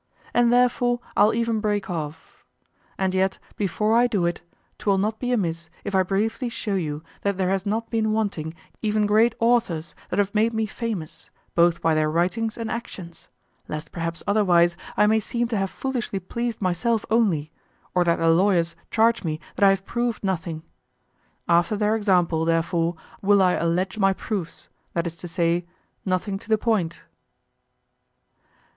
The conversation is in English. And therefore I'll even break off; and yet, before I do it, 'twill not be amiss if I briefly show you that there has not been wanting even great authors that have made me famous, both by their writings and actions, lest perhaps otherwise I may seem to have foolishly pleased myself only, or that the lawyers charge me that I have proved nothing. After their example, therefore, will I allege my proofs, that is to say, nothing to the point.